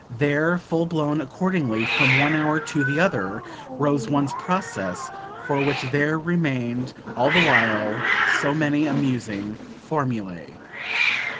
There, full blown, accordingly, from one hour to the other, rose one's process for which there remained all the while so many amusing formulae.